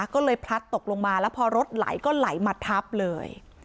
ก็เลยพลัดตกลงมาแล้วพอรถไหลก็ไหลมาทับเลย